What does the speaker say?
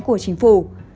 của chính phủ